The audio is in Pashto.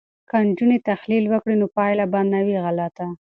که نجونې تحلیل وکړي نو پایله به نه وي غلطه.